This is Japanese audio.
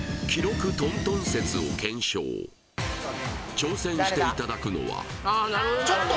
挑戦していただくのはちょっと！